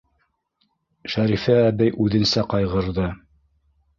Шәрифә әбей үҙенсә ҡайғырҙы: